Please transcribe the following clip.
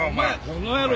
この野郎！